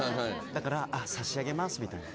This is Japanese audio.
だから差し上げますみたいな。